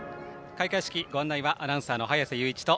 開会式のご案内はアナウンサー早瀬雄一と。